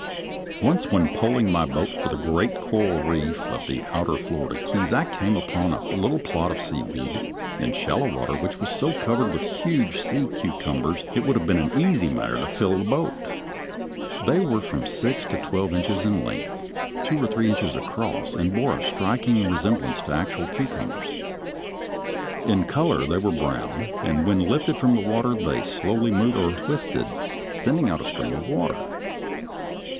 ] Once, when poling my boat over the great coral reef of the outer Florida Keys I came upon a little plot of seaweed in shallow water which was so covered with huge sea cucumbers (Fig. 58) that it would have been an easy matter to fill the boat. They were from six to twelve inches in length, two or three inches across, and bore a striking resemblance to actual cucumbers. In color they were brown, and when lifted from the water they slowly moved or twisted, sending out a stream of water.